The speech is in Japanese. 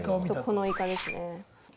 このイカですね。